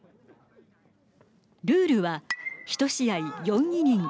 ルールは１試合４イニング。